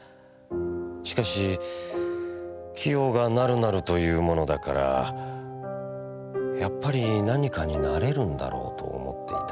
しかし清がなるなると云うものだからやっぱり何かに成れるんだろうと思っていた」。